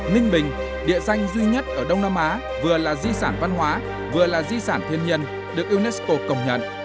ninh bình địa danh duy nhất ở đông nam á vừa là di sản văn hóa vừa là di sản thiên nhiên được unesco công nhận